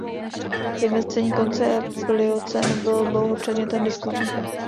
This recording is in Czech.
Vymezení konce pliocénu bylo dlouho předmětem diskusí.